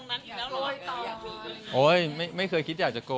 มันก็ลงมาให้มีเงินเยอะเราไม่ได้อยากกลัวค่ะ